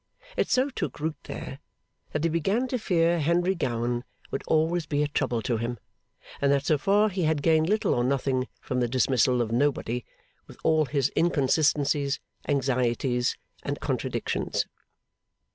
It so took root there, that he began to fear Henry Gowan would always be a trouble to him, and that so far he had gained little or nothing from the dismissal of Nobody, with all his inconsistencies, anxieties, and contradictions.